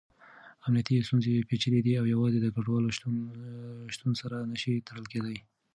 امنیتي ستونزې پېچلې دي او يوازې د کډوالو شتون سره نه شي تړل کېدای.